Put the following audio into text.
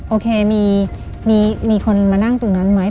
โอเคมีคนมานั่งตรงนั้นไหม